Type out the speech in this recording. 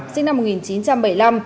sinh năm một nghìn chín trăm bảy mươi năm